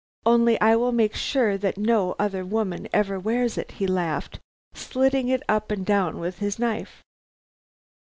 'Only I will make sure that no other woman ever wears it,' he laughed, slitting it up and down with his knife.